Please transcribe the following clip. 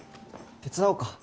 手伝おうか？